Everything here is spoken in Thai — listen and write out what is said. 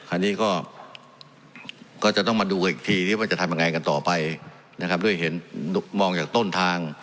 อันนี้ก็จะต้องมาดูกันอีกทีว่าจะทำยังไงกันต่อไปนะครับด้วยเห็นมองจากต้นทาง